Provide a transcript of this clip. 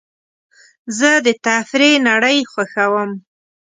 زه د تفریح نړۍ خوښوم.